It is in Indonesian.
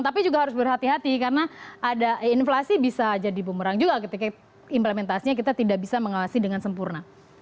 tapi juga harus berhati hati karena ada inflasi bisa jadi bumerang juga ketika implementasinya kita tidak bisa mengawasi dengan sempurna